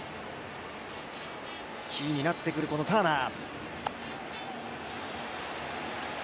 キーになってくるこのターナー。